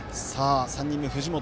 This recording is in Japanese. ３人目、藤本。